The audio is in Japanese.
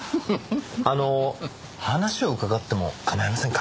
あの話を伺っても構いませんか？